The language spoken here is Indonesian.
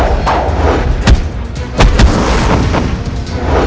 boleh mendapatkan ruang enakmu untuk menghukum mayrih suara